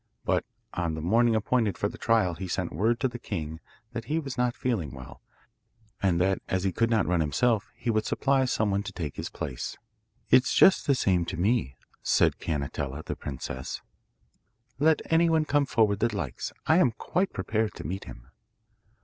But on the morning appointed for the trial he sent word to the king that he was not feeling well, and that as he could not run himself he would supply someone to take his place. 'It's just the same to me,' said Canetella, the princess; 'let anyone come forward that likes, I am quite prepared to meet him.